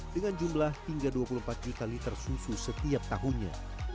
dengan jumlah hingga dua puluh empat juta liter susu setiap tahunnya